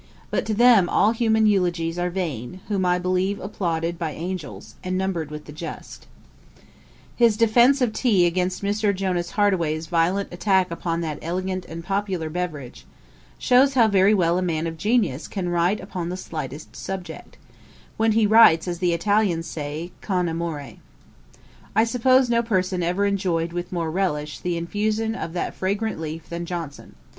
But to them all human eulogies are vain, whom I believe applauded by angels, and numbered with the just.' [Page 314: Johnson's reply to Hanway's attack. A.D. 1756.] His defence of tea against Mr. Jonas Hartway's violent attack upon that elegant and popular beverage, shews how very well a man of genius can write upon the slightest subject, when he writes, as the Italians say, con amore: I suppose no person ever enjoyed with more relish the infusion of that fragrant leaf than Johnson.